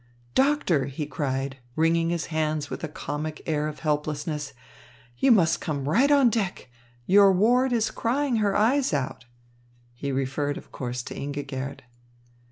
"Doctor," he cried, wringing his hands with a comic air of helplessness, "you must come right on deck. Your ward is crying her eyes out." He referred, of course, to Ingigerd.